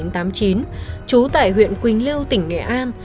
trú tại huyện quỳnh lưu tỉnh nghệ an